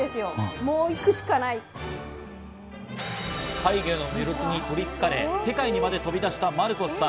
怪魚の魅力にとりつかれ、世界にまで飛び出したマルコスさん。